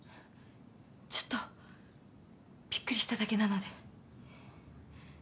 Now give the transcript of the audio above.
ちょっとびっくりしただけなので。